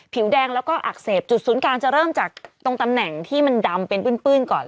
ผิวแดงแล้วก็อักเสบจุดศูนย์กลางจะเริ่มจากตรงตำแหน่งที่มันดำเป็นปื้นก่อน